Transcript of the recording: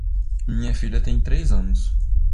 Minha filha tem três anos.